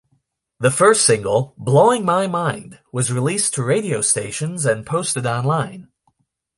The first single, "Blowing My Mind", was released to radio stations and posted online.